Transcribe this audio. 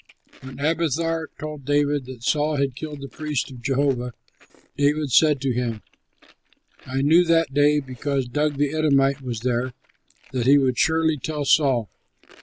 When Abiathar told David that Saul had killed the priests of Jehovah, David said to him, "I knew that day, because Doeg the Edomite was there, that he would surely tell Saul.